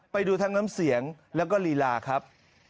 ไปดูทั้งน้ำเสียงแล้วก็ลีลาครับ